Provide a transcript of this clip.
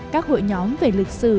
các hội nhóm về lịch sử